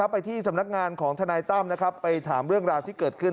ไปที่สำนักงานของทนายตั้มนะครับไปถามเรื่องราวที่เกิดขึ้น